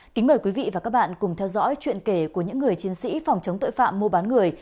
kính mời quý vị và các bạn cùng theo dõi chuyện kể của những người chiến sĩ phòng chống tội phạm mua bán người